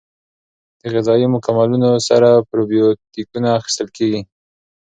د غذایي مکملونو سره پروبیوتیکونه اخیستل کیږي.